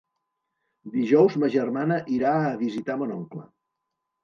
Dijous ma germana irà a visitar mon oncle.